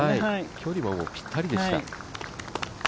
距離はぴったりでした。